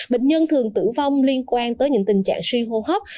bệnh nhân thường tử vong liên quan tới những tình trạng suy hô hấp